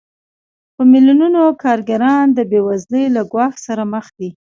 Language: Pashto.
په میلیونونو کارګران د بېوزلۍ له ګواښ سره مخ دي